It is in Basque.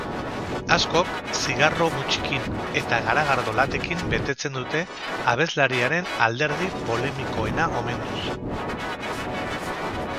Askok zigarro-mutxikin eta garagardo latekin betetzen dute, abeslariaren alderdi polemikoena omenduz.